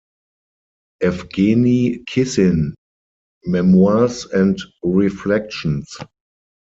Evgeny Kissin: "Memoirs and Reflections.